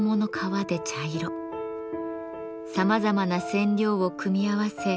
さまざまな染料を組み合わせ